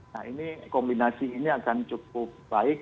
nah ini kombinasi ini akan cukup baik